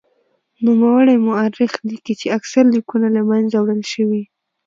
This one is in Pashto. نوموړی مورخ لیکي چې اکثر لیکونه له منځه وړل شوي.